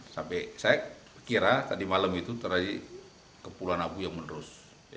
sampai saya kira tadi malam itu terjadi kepulauan abu yang menerus